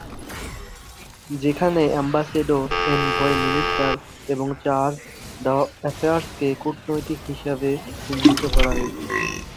সেখানে ambassador, envoy, minister এবং চার্জ দ’অ্যাফেয়ার্সকে কূটনৈতিক হিসেবে চিহ্নিত করা হয়েছে।